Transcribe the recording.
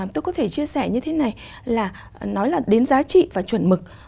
tôi có thể chia sẻ như thế này là nói là đến giá trị và chuẩn mực